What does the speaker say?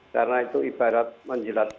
karena itu ibarat menjelat lidah